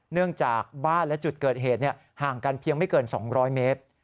เนื่องจากบ้านและจุดเกิดเหตุห่างกันเพียงไม่เกิน๒๐๐เมตร